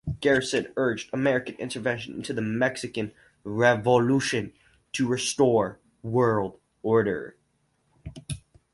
Garrison urged American intervention into the Mexican revolution to restore order.